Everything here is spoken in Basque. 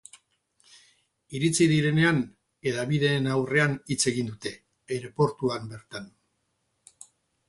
Iritsi direnean, hedabideen aurrean hitz egin dute, aireportuan bertan.